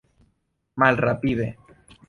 malrapide